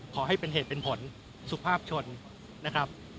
ขอให้เป็นเหตุเป็นผลสุภาพชนนะครับ